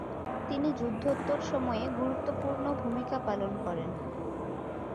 তিনি যুদ্ধোত্তর সময়ে গুরুত্বপূর্ণ ভূমিকা পালন করেন।